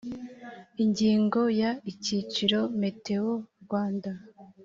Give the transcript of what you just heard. ingingo ya icyiciro metewo rwanda